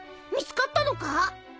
見つかったのか？